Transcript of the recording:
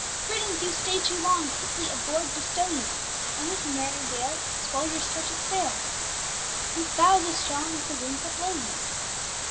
Britons, you stay too long: Quickly aboard bestow you, And with a merry gale Swell your stretch'd sail, With vows as strong As the winds that blow you.